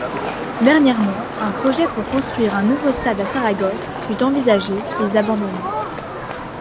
Dernièrement, un projet pour construire un nouveau stade à Saragosse fut envisagé puis abandonné.